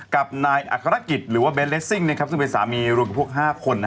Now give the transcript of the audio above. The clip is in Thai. กับนายอัครกิจหรือว่าเบนเลสซิ่งซึ่งเป็นสามีรวมกับพวก๕คน